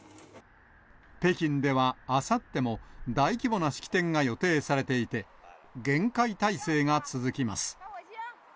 北京ではあさっても、大規模な式典が予定されていて、厳戒態勢が続きます。